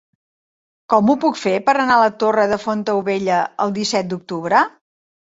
Com ho puc fer per anar a la Torre de Fontaubella el disset d'octubre?